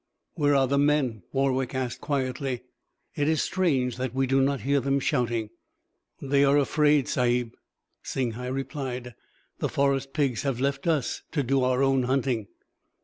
"Where are the men?" Warwick asked quietly. "It is strange that we do not hear them shouting." "They are afraid, Sahib," Singhai replied. "The forest pigs have left us to do our own hunting."